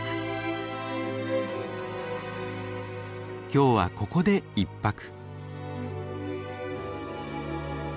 今日はここで１泊。